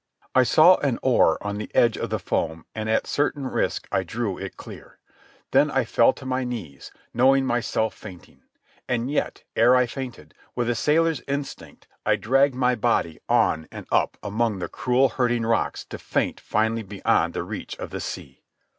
I saw an oar on the edge of the foam, and at certain risk I drew it clear. Then I fell to my knees, knowing myself fainting. And yet, ere I fainted, with a sailor's instinct I dragged my body on and up among the cruel hurting rocks to faint finally beyond the reach of the sea.